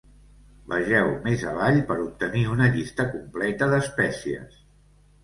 Vegeu més avall per obtenir una llista completa d'espècies.